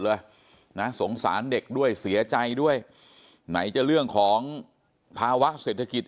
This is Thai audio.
เลยนะสงสารเด็กด้วยเสียใจด้วยไหนจะเรื่องของภาวะเศรษฐกิจ